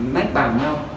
mách bảo nhau